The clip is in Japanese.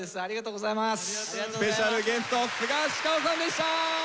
スペシャルゲストスガシカオさんでした。